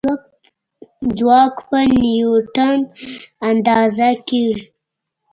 ځواک په نیوټن اندازه کېږي.